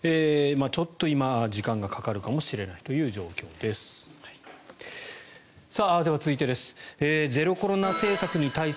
ちょっと今、時間がかかるかもしれない状況です。